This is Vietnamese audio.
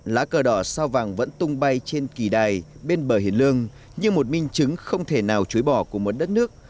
lá cờ đỏ sao vàng vẫn tung bay trên kỳ đài bên bờ hiền lương như một minh chứng không thể nào chối bỏ của một đất nước